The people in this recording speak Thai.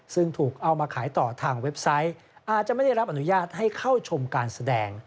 ซึ่งถูกเอามาขายต่อทางเว็บไซต์อาจจะไม่ได้รับอนุญาตให้เข้าชมการแสดง